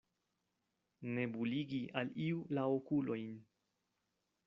Nebuligi al iu la okulojn.